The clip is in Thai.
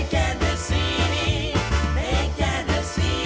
โอ้โอ้โอ้โอ้โอ้